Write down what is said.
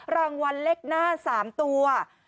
รางวัลเลขหน้า๓ตัว